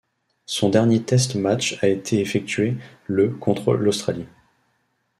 Son dernier test match a été effectué le contre l'Australie.